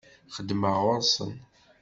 Xeddmeɣ ɣur-sen.